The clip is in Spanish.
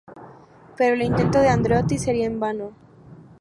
Pero el intento de Andreotti sería en vano.